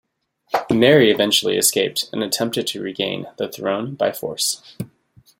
Mary eventually escaped and attempted to regain the throne by force.